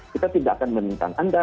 kita tidak akan menentang